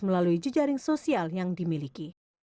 melalui jejaring sosial yang dimiliki